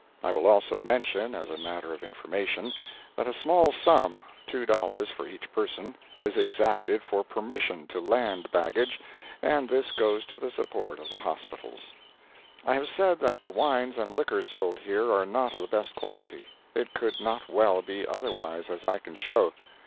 I will also mention, as a matter of information, that a small sum (two dollars for each person) is exacted for permission to land baggage, and this goes to the support of the hospitals. I have said that the wines and liquors sold here are not of the best quality. It could not well be otherwise, as I can show.